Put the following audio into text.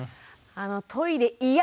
あの「トイレいや！」